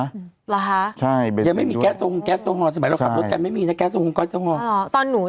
หรอฮะยังไม่มีแก๊สโซงแก๊สโซฮอลสมัยเราขับรถกันไม่มีนะแก๊สโซงก็แก๊สโซฮอล